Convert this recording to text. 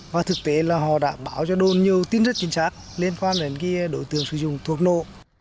và thực tế là họ đảm bảo cho đồn nhiều tin rất chính xác liên quan đến đối tượng sử dụng thuốc nổ